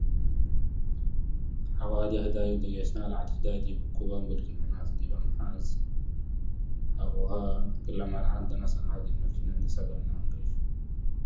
It seems like you have a wide range of musical interests.